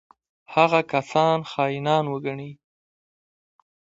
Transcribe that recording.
هغه کسان خاینان وګڼي.